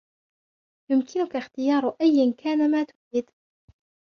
يمكنك اختيار أيا كان ما تريد.